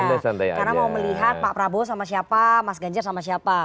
karena mau melihat pak prabowo sama siapa mas ganjar sama siapa